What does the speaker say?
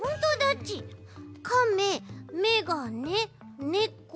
「かめ」「めがね」「ねこ」